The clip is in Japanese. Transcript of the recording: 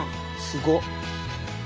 すごっ！